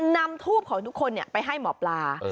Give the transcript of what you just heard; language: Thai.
นำทูบของทุกคนไปให้หมอปลา